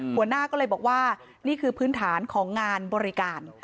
หัวหน้าก็เลยบอกว่านี่คือพื้นฐานของงานบริการ